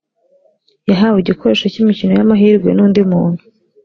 yahawe igikoresho cy ‘imikino y’ amahirwe n’undi muntu.